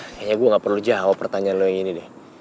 kayaknya gue gak perlu jawab pertanyaan lo yang ini deh